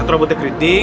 satu rambutnya kritik